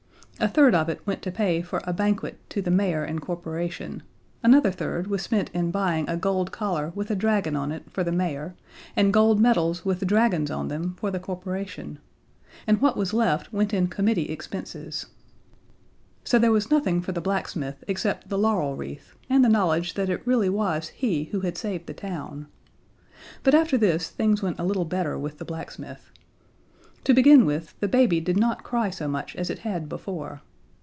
A third of it went to pay for a banquet to the mayor and corporation; another third was spent in buying a gold collar with a dragon on it for the mayor and gold medals with dragons on them for the corporation; and what was left went in committee expenses. So there was nothing for the blacksmith except the laurel wreath and the knowledge that it really was he who had saved the town. But after this things went a little better with the blacksmith. To begin with, the baby did not cry so much as it had before.